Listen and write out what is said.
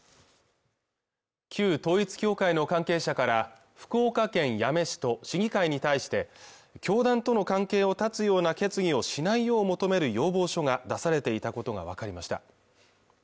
旧統一教会の関係者から福岡県八女市と市議会に対して教団との関係を断つような決議をしないよう求める要望書が出されていたことが分かりました